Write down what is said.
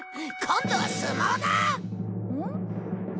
今度は相撲だ！